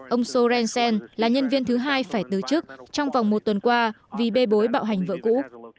ông sorensen là nhân viên thứ hai phải tứ chức trong vòng một tuần qua vì bê bối bạo hành vợ cũ